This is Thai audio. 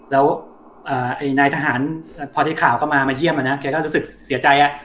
แล้วนายทหารพอได้ข่าวเข้ามามาเยี่ยมแกก็รู้สึกเสียใจ